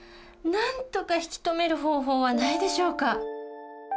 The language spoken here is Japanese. なんとか引き止める方法はないでしょうか？